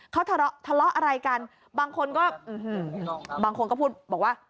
เขาทะเลาะอะไรกันบางคนก็บางคนก็บอกว่า